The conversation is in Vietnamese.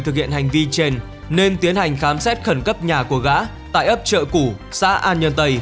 thực hiện hành vi trên nên tiến hành khám xét khẩn cấp nhà của gã tại ấp trợ củ xã an nhân tây